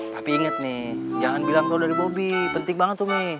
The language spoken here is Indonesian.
tapi inget nih jangan bilang kalau dari bobi penting banget tuh nih